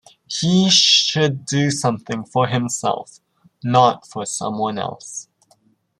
He should do something for himself, not for someone else.